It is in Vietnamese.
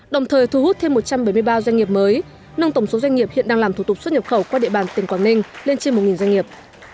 đồng thời thu hút thêm một trăm bảy mươi ba doanh nghiệp mới nâng tổng số doanh nghiệp hiện đang làm thủ tục xuất nhập khẩu qua địa bàn tỉnh quảng ninh lên trên một doanh nghiệp